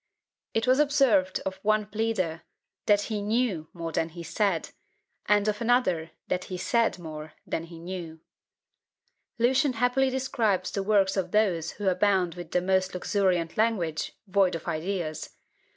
It was observed of one pleader, that he knew more than he said; and of another, that he said more than he knew. Lucian happily describes the works of those who abound with the most luxuriant language, void of ideas.